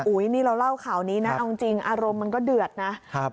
นี่เราเล่าข่าวนี้นะเอาจริงอารมณ์มันก็เดือดนะ